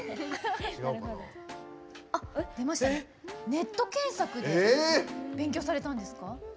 ネット検索で勉強されたんですか？